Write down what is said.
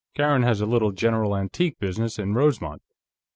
Karen has a little general antique business in Rosemont.